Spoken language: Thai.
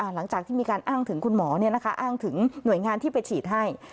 หลังจากที่มีการอ้างถึงคุณหมออ้างถึงหน่วยงานที่ไปฉีดให้